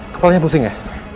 kepalnya pusing ya